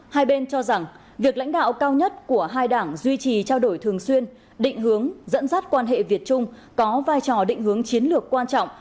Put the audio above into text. hai bên cho rằng việc lãnh đạo cao nhất của hai đảng duy trì trao đổi thường xuyên định hướng dẫn dắt quan hệ việt trung có vai trò định hướng chiến lược quan trọng